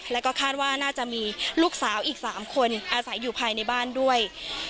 แล้วก็คาดว่าน่าจะมีลูกสาวอีก๓คนอาศัยอยู่ภายในบ้านด้วย